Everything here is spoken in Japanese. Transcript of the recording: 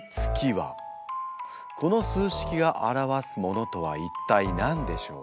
この数式が表すものとは一体何でしょう？